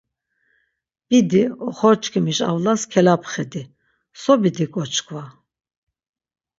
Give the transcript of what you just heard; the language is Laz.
Bidi, oxorçkimiş avlas kelapxedi. So bidiǩo çkva!